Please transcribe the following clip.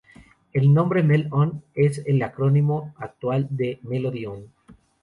El nombre "MelOn" es el acrónimo actual de "melody on".